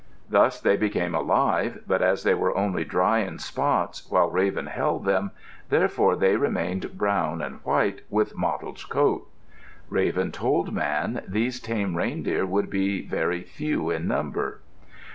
Thus they became alive, but as they were only dry in spots while Raven held them, therefore they remained brown and white, with mottled coat. Raven told Man these tame reindeer would be very few in number.